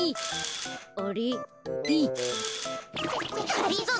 がりぞー